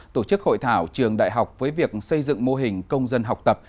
tổ chức hội thảo trường đại học với việc xây dựng mô hình công dân học tập